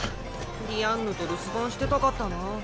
ディアンヌと留守番してたかったな。